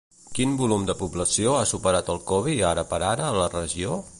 Quin volum de població ha superat el covi ara per ara a la regió?